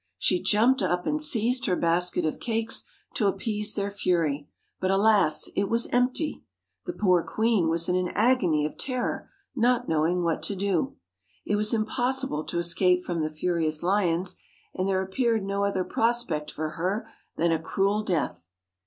She jumped up and se i ze( j her basket of cakes to appease their fury; but, alas, it was empty! The poor queen was in an agony of terror, not knowing what to do. It was impossible to escape from the furious lions, and there appeared no other prospect for her than a cruel death.